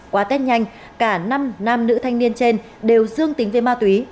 qua tết nhanh cả năm nam nữ thanh niên trên đều dương tính với ma túy